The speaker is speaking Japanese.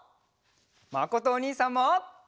まことおにいさんも！